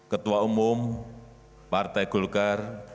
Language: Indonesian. ketua umum partai golkar